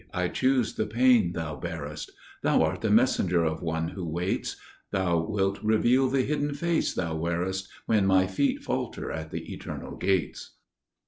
I choose the pain thou bearest: Thou art the messenger of one who waits; Thou wilt reveal the hidden face thou wearest When my feet falter at the Eternal Gates."